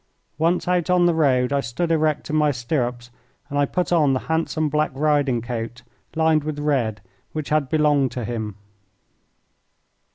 Once out on the road I stood erect in my stirrups, and I put on the handsome black riding coat, lined with red, which had belonged to him.